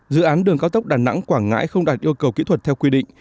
dự án đường cao tốc đà nẵng quảng ngãi không đạt yêu cầu kỹ thuật theo quy định